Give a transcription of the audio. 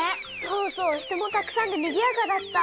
そうそう人もたくさんでにぎやかだった。